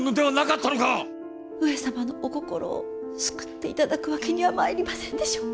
上様のお心を救って頂くわけにはまいりませんでしょうか。